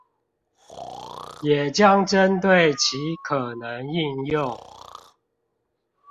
也將針對其可能應用